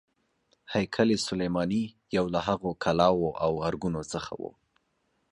هیکل سلیماني یو له هغو کلاوو او ارګونو څخه و.